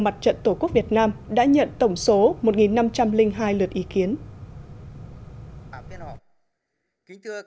mặt trận tổ quốc việt nam đã nhận tổng số một năm trăm linh hai lượt ý kiến